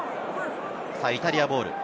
イタリアボール。